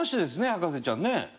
博士ちゃんね。